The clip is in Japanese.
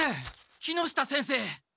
木下先生！